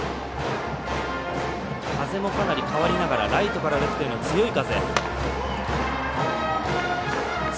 風もかなり変わりながらライトからレフトへの強い風。